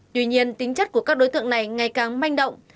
tuy nhiên tính chất của các đối tượng này ngày càng manh động